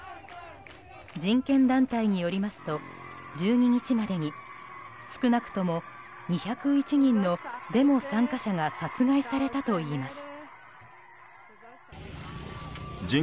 人権団体によりますと１２日までに少なくとも２０１人のデモ参加者が殺害されたといいます。